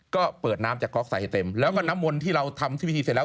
ก็เปิดน้ำจากก๊อกใส่ให้เต็มแล้วก็น้ำมนต์ที่เราทำที่พิธีเสร็จแล้ว